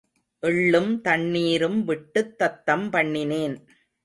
எள்ளும் தண்ணீரும் விட்டுத் தத்தம் பண்ணினேன்.